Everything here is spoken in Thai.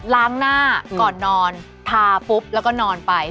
ล้างหน้าก่อนนอนทาปุ๊บแล้วก็นอนไป